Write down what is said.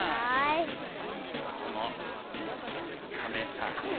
このカメさんと。